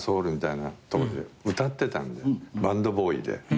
バンドボーイで。